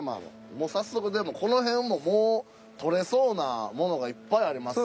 もう早速でもこの辺ももう撮れそうなものがいっぱいありますよね。